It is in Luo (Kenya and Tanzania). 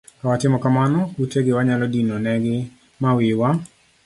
Ka watimo kamano kute gi wanyalo dino ne gi ma wiwa